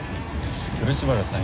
漆原さん